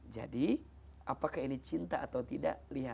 jadi apakah ini cinta atau tidak lihat